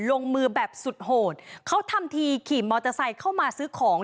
ลงมือแบบสุดโหดเขาทำทีขี่มอเตอร์ไซค์เข้ามาซื้อของ